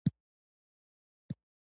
د قربانۍ غوښه یې په دریو برخو وویشله.